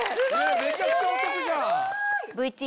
めちゃくちゃお得じゃん！